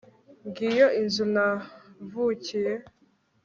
Ngiyo inzu navukiye